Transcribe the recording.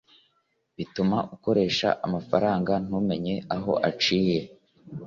bituma ukoresha amafaranga ntumenye n’aho aciye